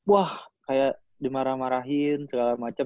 wah kayak dimarah marahin segala macam